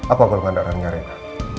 apa golongan darahnya rena